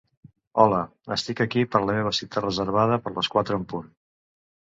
Hola, estic aquí per la meva cita reservada per les quatre en punt.